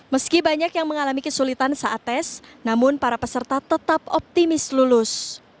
meski banyak yang mengalami kesulitan saat tes namun para peserta tetap optimis lulus